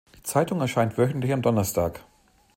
Die Zeitung erscheint wöchentlich am Donnerstag.